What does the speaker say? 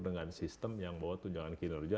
dengan sistem yang bahwa tunjangan kinerja